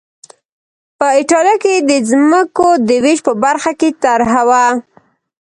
په اېټالیا کې د ځمکو د وېش په برخه کې طرحه وه